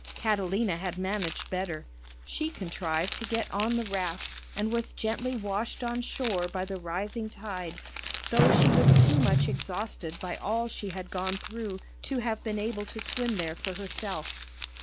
Catalina had managed better. She contrived to get on the raft and was gently washed on shore by the rising tide, though she was too much exhausted by all she had gone through to have been able to swim there for herself.